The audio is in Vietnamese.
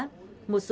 một số đối tượng